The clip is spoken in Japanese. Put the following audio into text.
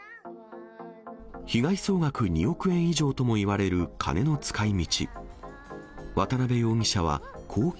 被害総額２億円以上ともいわれる金の使いみち。